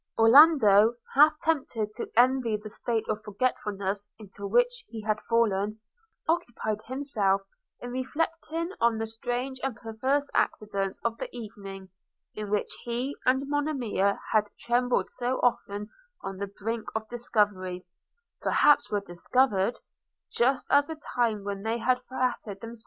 Orlando, half tempted to envy the state of forgetfulness into which he had fallen, occupied himself in reflecting on the strange and perverse accidents of the evening, in which he and Monimia had trembled so often on the brink of discovery – perhaps were discovered, just at the time when they had flattered themselves with the hope that they might the more securely meet.